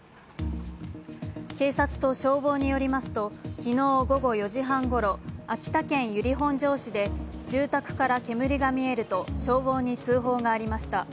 警察と消防によりますと、昨日午後４時半ごろ秋田県由利本荘市で、住宅から煙が見えると消防に通報がありました。